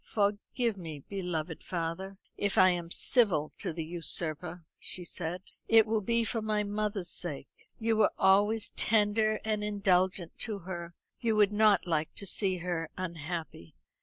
"Forgive me, beloved father, if I am civil to the usurper." she said. "It will be for my mother's sake. You were always tender and indulgent to her; you would not like to see her unhappy."